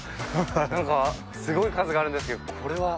なんかすごい数があるんですけどこれは。